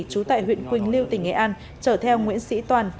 trú tại huyện quỳnh lưu tỉnh nghệ an chở theo nguyễn sĩ toàn